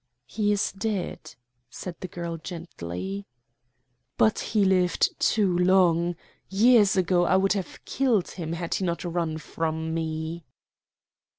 "He is dead," said the girl gently. "But he lived too long. Years ago I would have killed him had he not run from me."